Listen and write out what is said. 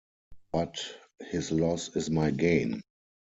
But his loss is my gain.